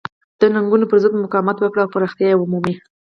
د ننګونو پرضد مقاومت وکړي او پراختیا ومومي.